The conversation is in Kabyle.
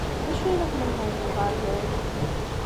D acu ay la tlemmdeḍ deg uɣerbaz?